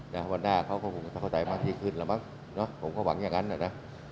ในบรรณาเขาก็จะเข้าใจได้ขึ้นผมก็หวังอย่างนั้นแล้ว